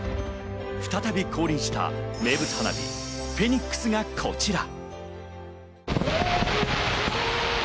再び降臨した名物花火・フェニックスがこちら。